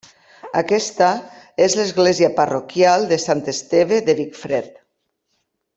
Aquesta és l'església parroquial de Sant Esteve de Vicfred.